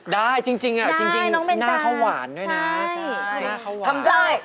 ได้จริงหน้าเขาหวานด้วยนะทำได้